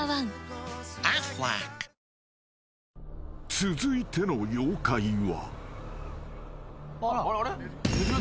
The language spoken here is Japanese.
［続いての妖怪は］